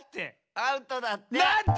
アウトだって。